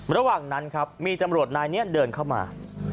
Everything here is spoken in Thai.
ระหว่างนั้นครับมีตำรวจนายนี้เดินเข้ามา